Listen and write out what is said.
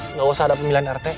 nggak usah ada pemilihan rt